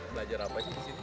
belajar apa aja di sini